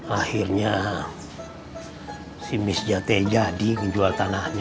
akhirnya si miss jatheh jadi ngejual tanahnya